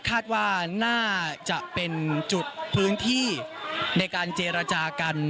คาดว่าน่าจะเป็นจุดพื้นที่ในการเจรจากัน